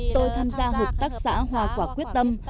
tôi tham gia hợp tác xã hòa quả quyết tâm